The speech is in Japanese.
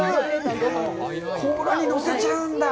甲羅にのせちゃうんだ！？